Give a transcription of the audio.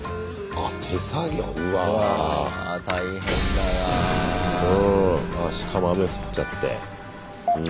あっしかも雨降っちゃって。